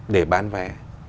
để bán vẻ